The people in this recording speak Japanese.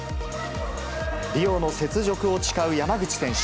リオの雪辱を誓う山口選手。